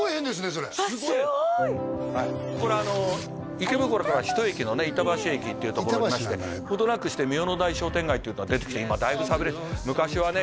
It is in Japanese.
それこれ池袋から１駅のね板橋駅っていう所降りましてほどなくして御代の台商店街っていうのが出てきて今だいぶ寂れ昔はね